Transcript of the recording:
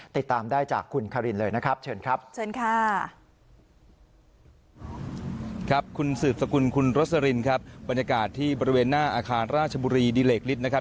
ติดตามได้จากคุณคารินเลยนะครับเชิญครับ